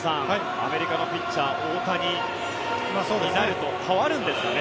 アメリカのピッチャーは大谷になると変わるんですかね。